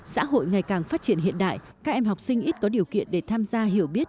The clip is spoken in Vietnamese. xã hội ngày càng phát triển hiện đại các em học sinh ít có điều kiện để tham gia hiểu biết